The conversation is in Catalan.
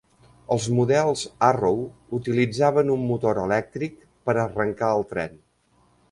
Els models Arrow utilitzaven un motor elèctric per arrancar el tren.